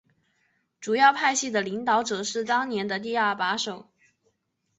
主要派系的领导者是当年的第二把手。